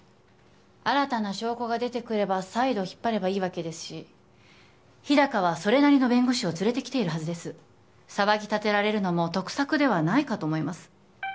新たな証拠が出てくれば再度引っ張ればいいわけですし日高はそれなりの弁護士を連れてきているはずです騒ぎ立てられるのも得策ではないかと思います